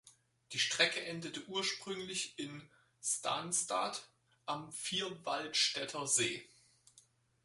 Die Strecke endete ursprünglich in Stansstad am Vierwaldstättersee.